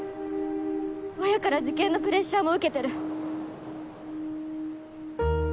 親から受験のプレッシャーも受けてる。